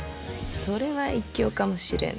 それは一興かもしれぬ。